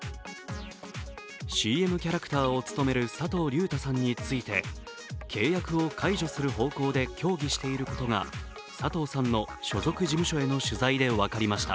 ＣＭキャラクターを務める佐藤隆太さんについて契約を解除する方向で協議することが佐藤さんの所属事務所への取材で分かりました。